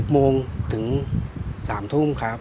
โมงถึง๓ทุ่มครับ